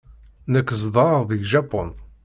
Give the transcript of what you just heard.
Nekk zedɣeɣ deg Japun.